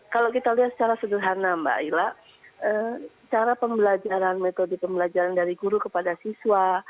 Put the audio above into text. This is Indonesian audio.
kalau kita lihat secara sederhana mbak ila cara pembelajaran metode pembelajaran dari guru kepada siswa